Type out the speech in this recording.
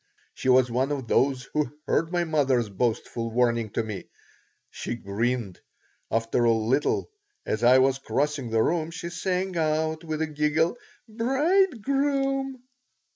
She was one of those who heard my mother's boastful warning to me. She grinned. After a little, as I was crossing the room, she sang out with a giggle: "Bridegroom!"